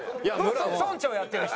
村長やってる人？